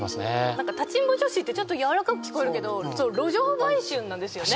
何か立ちんぼ女子ってちょっとやわらかく聞こえるけど路上売春なんですよね